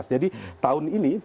jadi tahun ini